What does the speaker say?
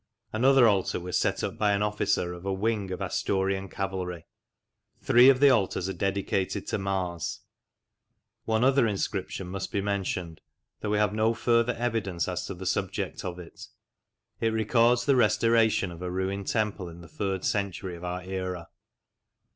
Another altar was set up by an officer of a " wing " of Asturian cavalry. Three of the altars are dedicated to Mars. One other inscription must be mentioned, though we have no further evidence as to the subject of it. It records the restoration of a ruined temple in the third century of our era.